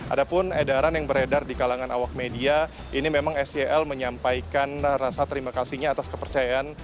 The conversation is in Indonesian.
ada pun edaran yang beredar di kalangan awak media ini memang sel menyampaikan rasa terima kasihnya atas kepercayaan